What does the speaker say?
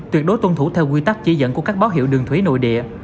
tuyệt đối tuân thủ theo quy tắc chỉ dẫn của các báo hiệu đường thủy nội địa